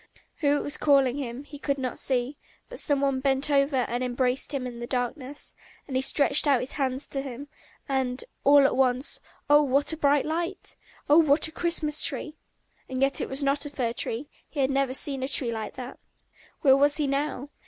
Who it was calling him, he could not see, but some one bent over and embraced him in the darkness; and he stretched out his hands to him, and ... and all at once oh, what a bright light! Oh, what a Christmas tree! And yet it was not a fir tree, he had never seen a tree like that! Where was he now?